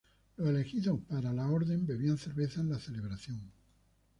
Los elegidos para la orden bebían cerveza en la celebración.